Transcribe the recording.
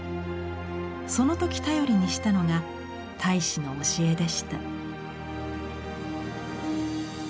その時頼りにしたのが太子の教えでした。